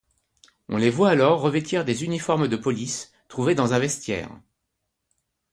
On les voit alors revêtir des uniformes de police trouvés dans un vestiaire.